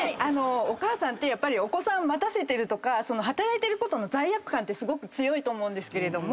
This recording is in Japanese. お母さんってやっぱりお子さんを待たせてるとか働いてることの罪悪感ってすごく強いと思うんですけれども。